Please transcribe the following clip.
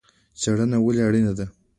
څیړنه ولې اړینه ده؟